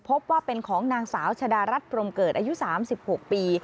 พบว่าเป็นของนางสาวชะดารัฐพรมเกิดอายุ๓๖ปี